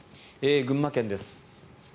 群馬県です。